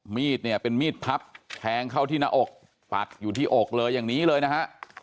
มีดเนี่ยเป็นมีดพับแทงเข้าที่หน้าอกปักอยู่ที่อกเลยอย่างนี้เลยนะฮะ